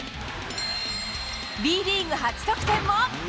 Ｂリーグ初得点も。